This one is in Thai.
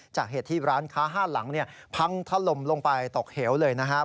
จากเหตุที่ร้านค้าห้าหลังพังทะลมลงไปตกเหี่ยวเลยนะครับ